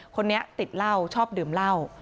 คนนี้ติดเหล้าชอบดื่มเหล้า